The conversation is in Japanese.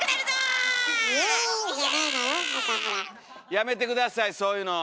やめて下さいそういうの。